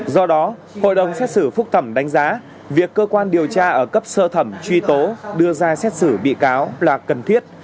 do đó hội đồng xét xử phúc thẩm đánh giá việc cơ quan điều tra ở cấp sơ thẩm truy tố đưa ra xét xử bị cáo là cần thiết